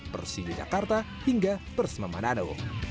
dari jokowi perusia jakarta hingga persemama nano